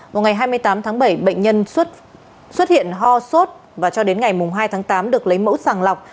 vào ngày hai mươi tám tháng bảy bệnh nhân xuất hiện ho sốt và cho đến ngày hai tháng tám được lấy mẫu sàng lọc